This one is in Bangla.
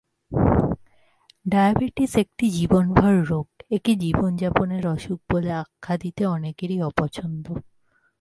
ডায়াবেটিস একটি জীবনভর রোগ, একে জীবনযাপনের অসুখ বলে আখ্যা দিতে অনেকেরই পছন্দ।